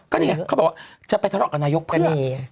ก็นี่ไงเขาบอกว่าจะไปทะเลาะกับนายกก็ได้